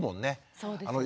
そうですね。